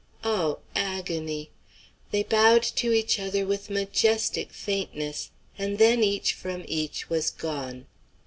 Oh, agony! They bowed to each other with majestic faintness, and then each from each was gone.